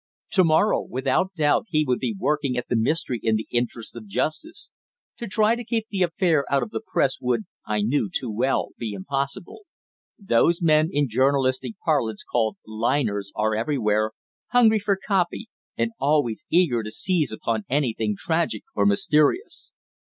To morrow, without doubt, he would be working at the mystery in the interests of justice. To try to keep the affair out of the Press would, I knew too well, be impossible. Those men, in journalistic parlance called "liners," are everywhere, hungry for copy, and always eager to seize upon anything tragic or mysterious.